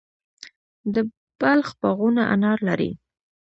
د بلخ باغونه انار لري.